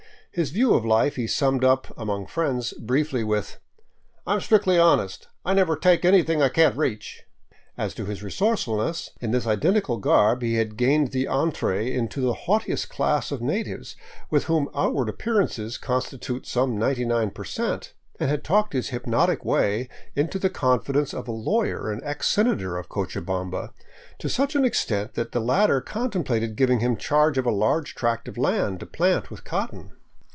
His view of Hfe he summed up — among friends — briefly with, " I am strictly honest ; I never tyke anything I can't reach/' As to his resourcefulness : in this iden tical garb he had gained the entree to the haughtiest class of natives, with whom outward appearances constitute some 99 percent., and had talked his hypnotic way into the confidence of a lawyer and ex senator of Cochabamba to such an extent that the latter contemplated giving him charge of a large tract of land to plant with cotton.